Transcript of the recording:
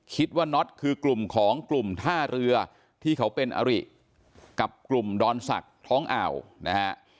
น็อตคือกลุ่มของกลุ่มท่าเรือที่เขาเป็นอริกับกลุ่มดอนศักดิ์ท้องอ่าวนะฮะ